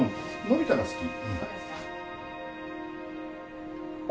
伸びたの好き。